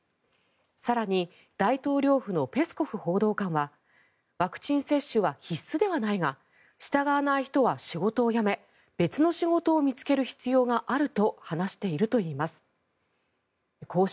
更に、大統領府のペスコフ報道官はワクチン接種は必須ではないが従わない人は仕事を辞め別の仕事を見つける必要があると話しているということです。